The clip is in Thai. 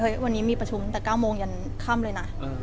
วันนี้มีประชุมตั้งแต่๙โมงยันค่ำเลยนะ